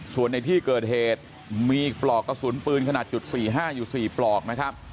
ส่วนในที่เกิดเหตุมีปลอกกระสุนปืนขนาดจุด๔๕อยู่๔ปลอกนะครับ